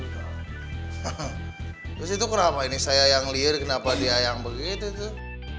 terus itu kenapa ini saya yang liar kenapa dia yang begitu tuh